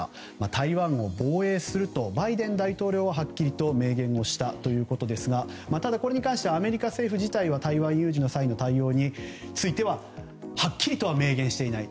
台湾を防衛するとバイデン大統領ははっきりと明言をしたということですがただ、これに関してはアメリカ政府自体は台湾有事の際の対応についてはっきりとは明言していない。